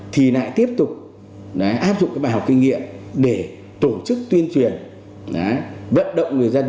thì lại tiếp tục áp dụng cái bài học kinh nghiệm để tổ chức tuyên truyền vận động người dân